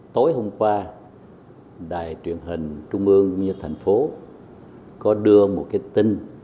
tối hôm qua đài truyền hình trung ương như thành phố có đưa một cái tin